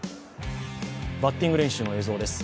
バッティング練習の映像です。